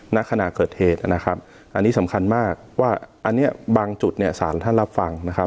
ณขณะเกิดเหตุนะครับอันนี้สำคัญมากว่าอันนี้บางจุดเนี่ยสารท่านรับฟังนะครับ